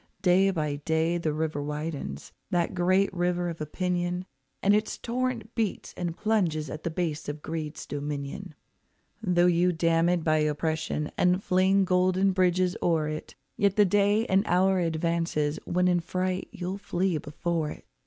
Day by day the river widens, that great river of opinion, And its torrent beats and plunges at the base of greed's dominion. Though you dam it by oppression and fling golden bridges o'er it, Yet the day and hour advances when in fright you'll flee before it.